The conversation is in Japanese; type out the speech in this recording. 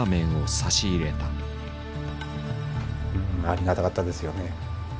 ありがたかったですよね。